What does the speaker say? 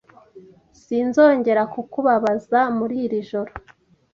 Sinzongera kukubabaza muri iri joro.